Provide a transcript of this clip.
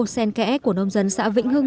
sen kẽ của nông dân xã vĩnh hưng